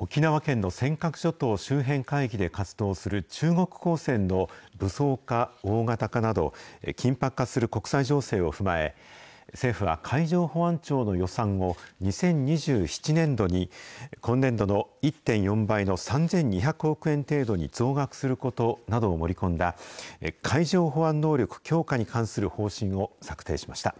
沖縄県の尖閣諸島周辺海域で活動する中国公船の武装化・大型化など、緊迫化する国際情勢を踏まえ、政府は海上保安庁の予算を２０２７年度に、今年度の１．４倍の３２００億円程度に増額することなどを盛り込んだ、海上保安能力強化に関する方針を策定しました。